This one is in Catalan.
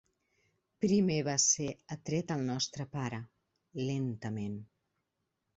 Primer va ser atret el nostre pare, lentament.